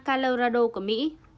colorado của mỹ